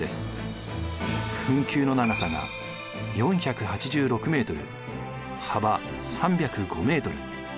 墳丘の長さが４８６ｍ幅３０５ｍ。